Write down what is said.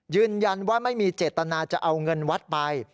ยืนยันว่าไม่มีเจตนาจะเอาเงินวัดไป